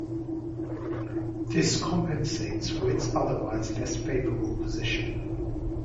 This compensates for its otherwise less favourable position.